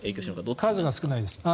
数が少ないです。